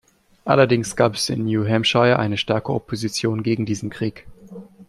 Allerdings gab es in New Hampshire eine starke Opposition gegen diesen Krieg.